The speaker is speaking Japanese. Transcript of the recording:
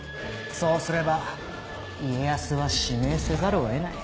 そうすれば家康は指名せざるを得ない。